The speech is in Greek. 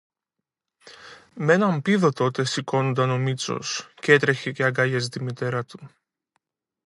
Μ' έναν πήδο τότε σηκώνουνταν ο Μήτσος κι έτρεχε και αγκάλιαζε τη μητέρα του.